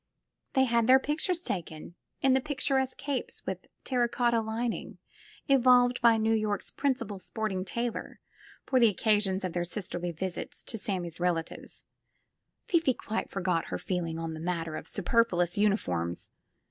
They had their pictures taken, in the picturesque capes with terra cotta lining evolved by New York's principal sporting tailor for the occasions of their sis terly visits to Sammie's relatives — Fifi quite forgot her feeling in the matter of superfluous uniforms!